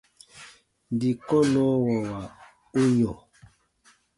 Dii kɔnnɔwɔwa u yɔ̃.